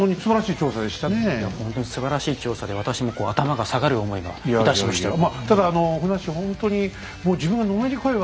いやほんとにすばらしい調査で私もこう頭が下がる思いがいたしましたよ。